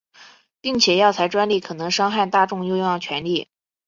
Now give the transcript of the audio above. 并且药材专利可能伤害大众用药权利。